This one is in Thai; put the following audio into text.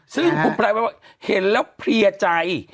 ซึ่งผมแปลว่าเห็นแล้วเพลียใจ